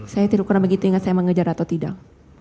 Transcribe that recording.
saya kurang begitu ingat saya mengejar atau tidak